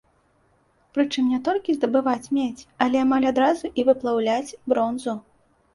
Прычым не толькі здабываць медзь, але амаль адразу і выплаўляць бронзу.